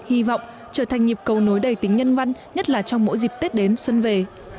hy vọng trở thành nhịp cầu nối đầy tính nhân văn nhất là trong mỗi dịp tết đến xuân về